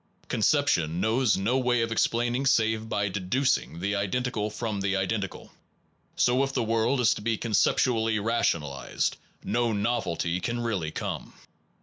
Conception knows no way of explaining save by deducing the identical from the identical, so if the world is to be concept ually rationalized no novelty can really come.